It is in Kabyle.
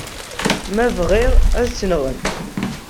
Ma bɣiɣ, ad tt-nɣent.